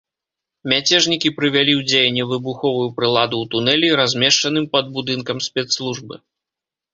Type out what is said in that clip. Мяцежнікі прывялі ў дзеянне выбуховую прыладу ў тунэлі, размешчаным пад будынкам спецслужбы.